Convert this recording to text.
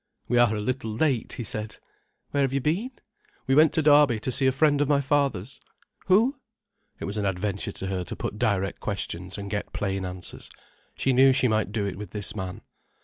"We are a little late," he said. "Where have you been?" "We went to Derby to see a friend of my father's." "Who?" It was an adventure to her to put direct questions and get plain answers. She knew she might do it with this man.